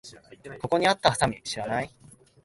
ここにあったハサミ知らない？